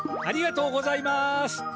ありがとうございます。